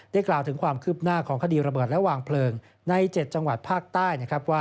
กล่าวถึงความคืบหน้าของคดีระเบิดและวางเพลิงใน๗จังหวัดภาคใต้นะครับว่า